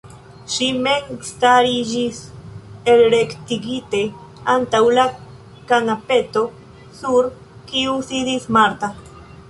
Ŝi mem stariĝis elrektigite antaŭ la kanapeto, sur kiu sidis Marta.